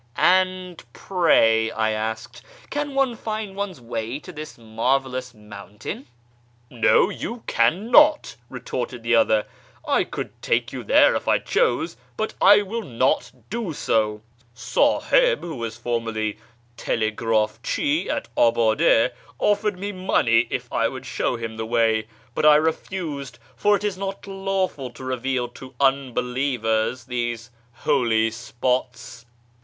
•'And pray," I asked, "can one find one's way to this marvellous mountain ?"" No, you cannot," retorted the other ;" I could take you there if I chose, but I will not do so. Siiliib, who was formerly tclcgrdfchi at Abade, offered nie money if 1 would show him the way, but I refused, for it is not lawful to reveal to unbelievers these holy spots."